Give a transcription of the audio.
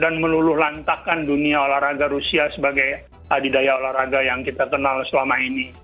dan meluluh lantakan dunia olahraga rusia sebagai adidaya olahraga yang kita kenal selama ini